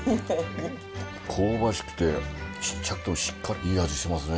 香ばしくてちっちゃくてもしっかりいい味してますね。